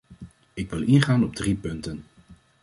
Ik wil ingaan op drie punten.